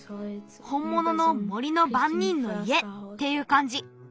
ほんものの森のばんにんのいえっていうかんじ。